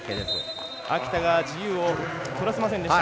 秋田が自由を取らせませんでした。